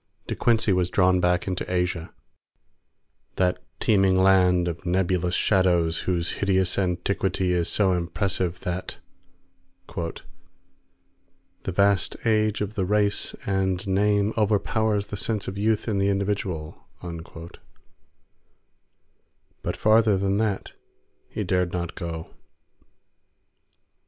De Quincey was drawn back into Asia, that teeming land of nebulous shadows whose hideous antiquity is so impressive that "the vast age of the race and name overpowers the sense of youth in the individual," but farther than that he dared not go.